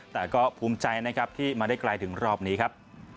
แต่ก็ภูมิใจนะครับที่มาได้ไกลถึงรอบนี้ครับ